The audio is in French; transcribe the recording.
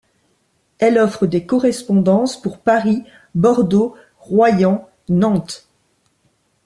Elle offre des correspondances pour Paris, Bordeaux, Royan, Nantes...